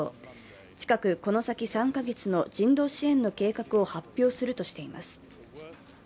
近く、この先３か月の人道支援の計画を発表するとしています。